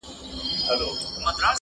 نسته له ابۍ سره شرنګی په الاهو کي-